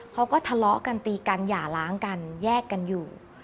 เขาก็ทะเลาะกันตีกันหย่าล้างกันแยกกันอยู่